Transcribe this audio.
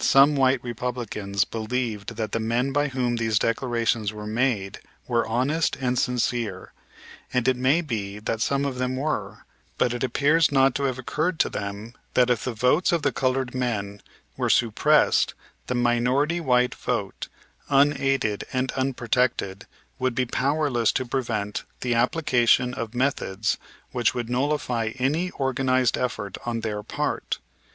Some white Republicans believed that the men by whom these declarations were made were honest and sincere, and it may be that some of them were, but it appears not to have occurred to them that if the votes of the colored men were suppressed the minority white vote, unaided and unprotected, would be powerless to prevent the application of methods which would nullify any organized effort on their part.